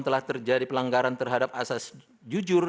telah terjadi pelanggaran terhadap asas jujur